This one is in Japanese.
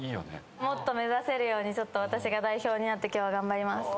もっと目指せるように私が代表になって今日は頑張ります。